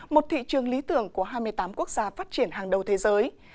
một thị trường lý tưởng của hai mươi tám quốc gia phát triển hàng đầu thế giới